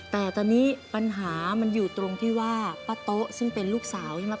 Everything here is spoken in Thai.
แต่ตอนนี้ปัญหามันอยู่ตรงที่ว่าป้าโต๊ะซึ่งเป็นลูกสาวใช่ไหม